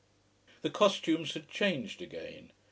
The costumes had changed again.